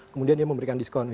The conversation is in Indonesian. kemudian dia memberikan diskon